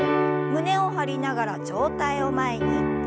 胸を張りながら上体を前に。